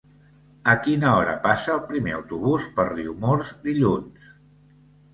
A quina hora passa el primer autobús per Riumors dilluns?